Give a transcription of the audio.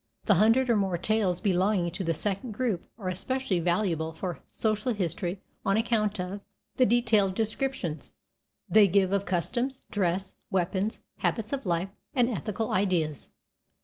The hundred or more tales belonging to the second group are especially valuable for social history on account of the detailed descriptions they give of customs, dress, weapons, habits of life, and ethical ideas.